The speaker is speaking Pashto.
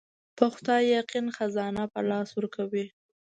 په خدای يقين خزانه په لاس ورکوي.